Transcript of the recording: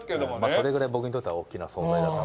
それぐらい僕にとっては大きな存在だったので。